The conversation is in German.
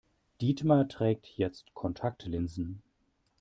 Dietmar trägt jetzt Kontaktlinsen.